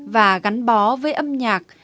và gắn bó với âm nhạc